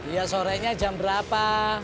iya sorenya jam berapa